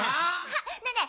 ねえねえ